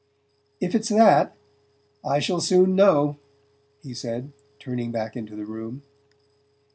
"If it's that, I shall soon know," he said, turning back into the room.